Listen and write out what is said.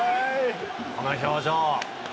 この表情。